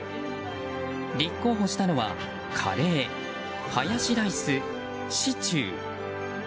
立候補したのは、カレーハヤシライス、シチュー。